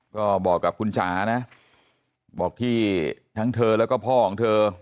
ก็บอกกับคุณจ๋านะบอกที่ทั้งเธอแล้วก็พ่อของเธอ